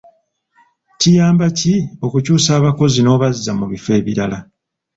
Kiyamba ki okukyusa abakozi n'obazza mu bifo ebirala?